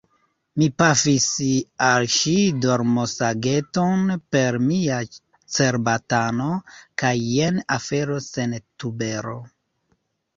Mi pafis al ŝi dormosageton per mia cerbatano, kaj jen afero sen tubero.